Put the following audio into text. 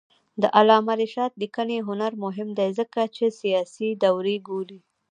د علامه رشاد لیکنی هنر مهم دی ځکه چې سیاسي دورې ګوري.